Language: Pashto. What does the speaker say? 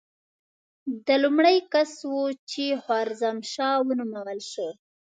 ده لومړی کس و چې خوارزم شاه ونومول شو.